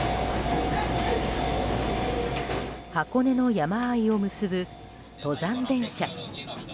箱根の山あいを結ぶ登山電車。